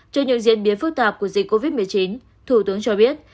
trước những diễn biến phức tạp của dịch covid một mươi chín thủ tướng cho biết